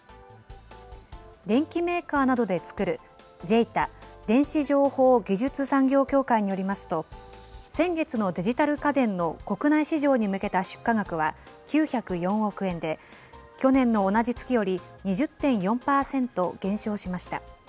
電機メーカーなどで作る、ＪＥＩＴＡ・電子情報技術産業協会によりますと、先月のデジタル家電の国内市場に向けた出荷額は９０４億円で、去年の同じ月より２０．４％減少しました。